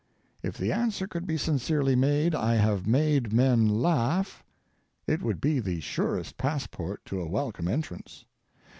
if the answer could be sincerely made, 'I have made men laugh,' it would be the surest passport to a welcome entrance.